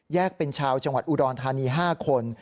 เป็นชาวจังหวัดอุดรธานี๕คน